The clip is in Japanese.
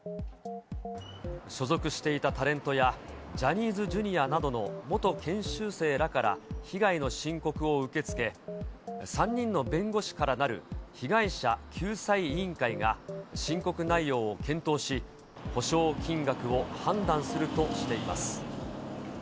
所属していたタレントやジャニーズＪｒ．などの元研修生らから被害の申告を受け付け、３人の弁護士からなる被害者救済委員会が申告内容を検討し、補償金額を判断するとしています。